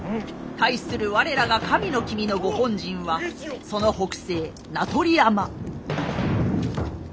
対する我らが神の君のご本陣はその北西名取山。